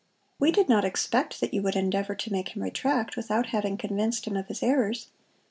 We did not expect that you would endeavor to make him retract without having convinced him of his errors.